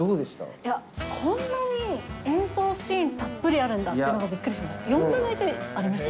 いや、こんなに演奏シーンたっぷりあるんだっていうのにびっくりしました。